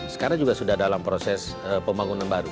sekarang juga sudah dalam proses pembangunan baru